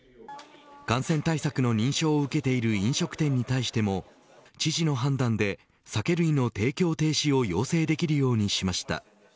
感染対策の認証を受けている飲食店に対しても知事の判断で、酒類の提供停止を要請できるようにしました。